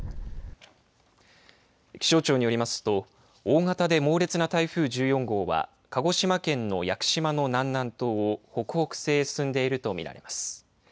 気象庁によりますと大型で猛烈な台風１４号は鹿児島県の屋久島の南南東を北北西に進んでいると見られます。